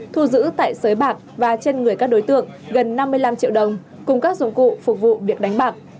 thu giữ tại sới bạc và trên người các đối tượng gần năm mươi năm triệu đồng cùng các dụng cụ phục vụ việc đánh bạc